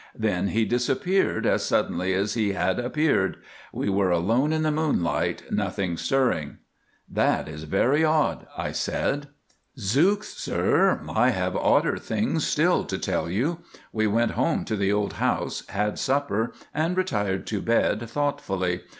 Then he disappeared as suddenly as he had appeared. We were alone in the moonlight, nothing stirring." "That is very odd," I said. "Zooks! sir, I have odder things still to tell you. We went home to the old house, had supper, and retired to bed thoughtfully.